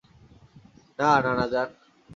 না, নানা জান।